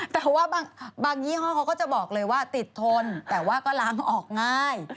แต่ว่าบางยี่ห้อเขาก็จะบอกเลยว่าติดทนแต่ว่าก็ล้างออกง่าย